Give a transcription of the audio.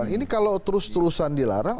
ini kalau terus terusan dilarang